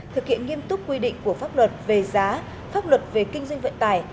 thực hiện nghiêm túc quy định của pháp luật về giá pháp luật về kinh doanh vận tải